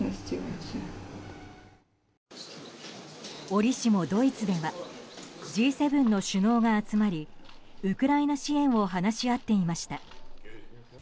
折りしも、ドイツではＧ７の首脳が集まりウクライナ支援を話し合っていました。